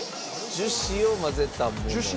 樹脂を混ぜたものを。